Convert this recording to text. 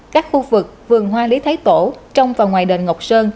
các khu vực vườn hoa lý thái tổ trong và ngoài đền ngọc sơn